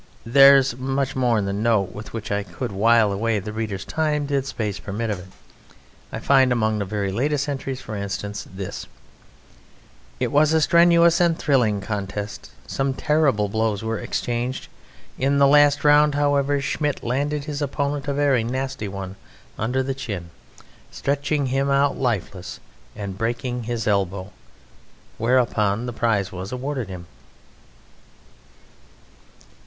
There is much more in the notebook with which I could while away the reader's time did space permit of it. I find among the very last entries, for instance, this: "It was a strenuous and thrilling contest. Some terrible blows were exchanged. In the last round, however, Schmidt landed his opponent a very nasty one under the chin, stretching him out lifeless and breaking his elbow; whereupon the prize was awarded him."